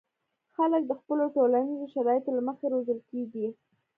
خلک د خپلو ټولنیزو شرایطو له مخې روزل کېږي.